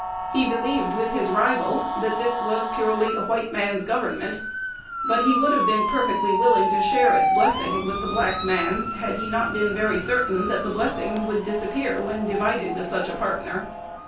He believed, with his rival, that this was purely a "white man's government;" but he would have been perfectly willing to share its blessings with the black man, had he not been very certain that the blessings would disappear when divided with such a partner.